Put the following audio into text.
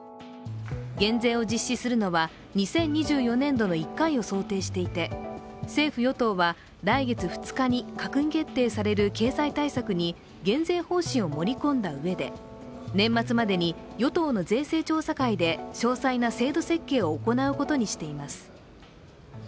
減税を実施するのは、２０２４年度の１回を想定していて政府・与党は来月２日に閣議決定される経済対策に、減税方針を盛り込んだうえで年末までに与党の税制調査会で詳細な制度設計を行うことにしています。